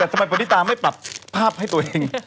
แต่ทำไมปณิตาไม่ปรับภาพให้ตัวเอง